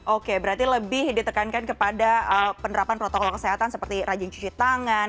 oke berarti lebih ditekankan kepada penerapan protokol kesehatan seperti rajin cuci tangan